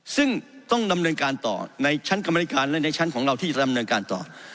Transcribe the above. ซึ่งต้องดำเนินการต่อในชั้นกรรมนิการและในชั้นของเราที่จะดำเนินการต่อ